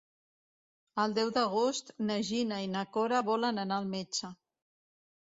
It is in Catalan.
El deu d'agost na Gina i na Cora volen anar al metge.